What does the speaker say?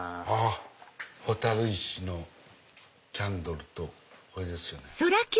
蛍石のキャンドルとこれですよね。